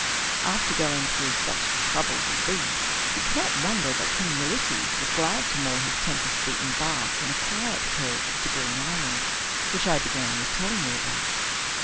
After going through such troubles as these, you cannot wonder that King Ulysses was glad to moor his tempest beaten bark in a quiet cove of the green island, which I began with telling you about.